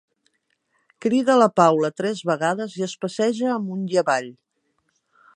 Crida la Paula tres vegades i es passeja amunt i avall.